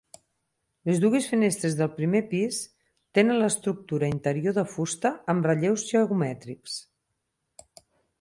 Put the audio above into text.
Les dues finestres del primer pis tenen l'estructura interior de fusta amb relleus geomètrics.